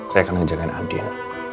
saya akan menjaga andin